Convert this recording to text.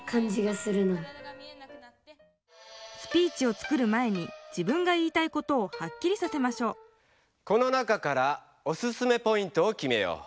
スピーチを作る前に自分が言いたいことをはっきりさせましょうこの中からオススメポイントをきめよう。